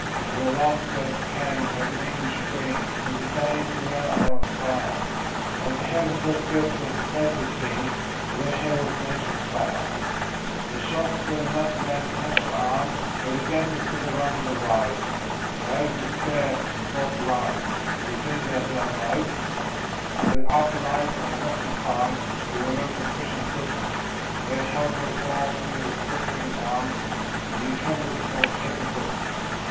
When the love burst came, like an English Spring, In the days when our hair was brown, And the hem of her skirt was a sacred thing And her hair was an angel's crown. The shock when another man touched her arm, Where the dancers sat round in a row; The hope and despair, and the false alarm— Do you think that I do not know? By the arbour lights on the western farms, You remember the question put, While you held her warm in your quivering arms And you trembled from head to foot.